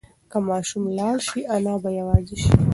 که ماشوم لاړ شي انا به یوازې شي.